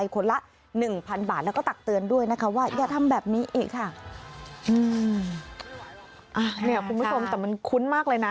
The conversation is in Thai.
คุณผู้ชมแต่มันคุ้นมากเลยนะ